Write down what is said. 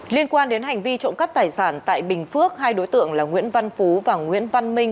liên quan đến hành vi trộm cắp tài sản tại bình phước hai đối tượng là nguyễn văn phú và nguyễn văn minh